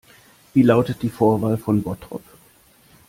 Wie lautet die Vorwahl von Bottrop?